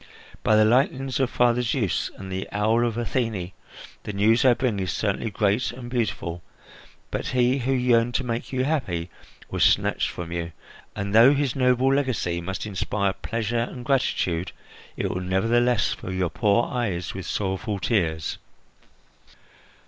By the lightnings of Father Zeus and the owl of Athene, the news I bring is certainly great and beautiful; but he who yearned to make you happy was snatched from you and, though his noble legacy must inspire pleasure and gratitude, it will nevertheless fill your poor eyes with sorrowful tears."